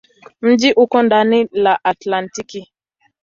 Mji uko kando la Atlantiki.